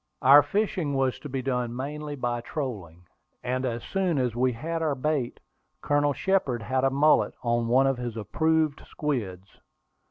Our fishing was to be done mainly by trolling, and as soon as we had our bait, Colonel Shepard had a mullet on one of his approved squids.